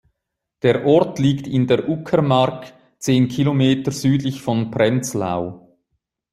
Der Ort liegt in der Uckermark zehn Kilometer südlich von Prenzlau.